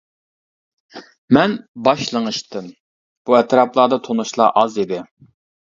مەن باش لىڭشىتتىم، بۇ ئەتراپلاردا تونۇشلار ئاز ئىدى.